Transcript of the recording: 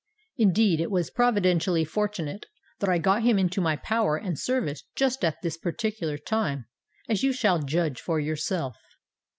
Indeed, it was providentially fortunate that I got him into my power and service just at this particular time; as you shall judge for yourself."